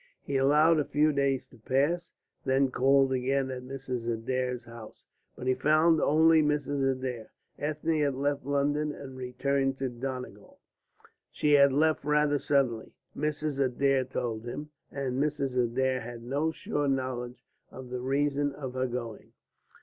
He allowed a few days to pass, and then called again at Mrs. Adair's house. But he found only Mrs. Adair. Ethne had left London and returned to Donegal. She had left rather suddenly, Mrs. Adair told him, and Mrs. Adair had no sure knowledge of the reason of her going.